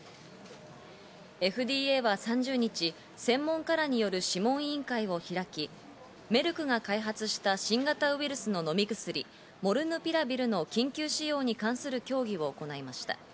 ＦＤＡは３０日、専門家らによる諮問委員会を開き、メルクが開発した新型ウイルスの飲み薬、モルヌピラビルの緊急使用に関する協議を行いました。